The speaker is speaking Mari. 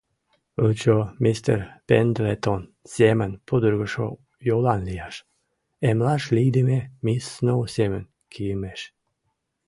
Лучо мистер Пендлетон семын пудыргышо йолан лияш, эмлаш лийдыме мисс Сноу семын кийымеш.